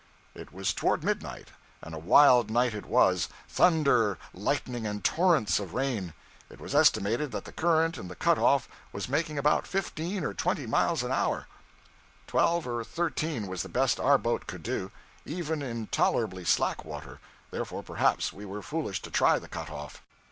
It was toward midnight, and a wild night it was thunder, lightning, and torrents of rain. It was estimated that the current in the cut off was making about fifteen or twenty miles an hour; twelve or thirteen was the best our boat could do, even in tolerably slack water, therefore perhaps we were foolish to try the cut off.